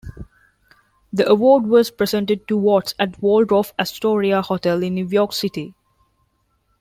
The award was presented to Watts at the Waldorf-Astoria Hotel in New York City.